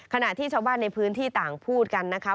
ขณะที่ชาวบ้านในพื้นที่ต่างพูดกันนะคะ